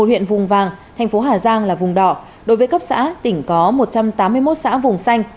huyện vùng vàng thành phố hà giang là vùng đỏ đối với cấp xã tỉnh có một trăm tám mươi một xã vùng xanh